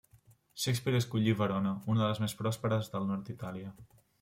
Shakespeare escollí Verona, una de les més pròsperes del nord d'Itàlia.